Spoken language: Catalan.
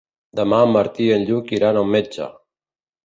Demà en Martí i en Lluc iran al metge.